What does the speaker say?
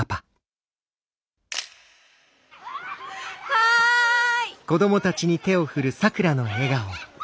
はい！